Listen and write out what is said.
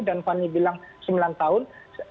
dan fani bilang sembilan tahun